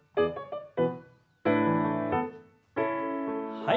はい。